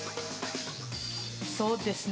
そうですね